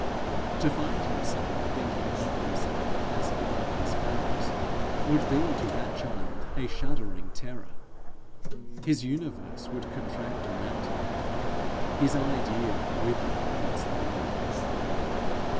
To find himself thinking of himself as above his fellows, would be to that child a shuddering terror; his universe would contract around him, his ideal wither on its throne.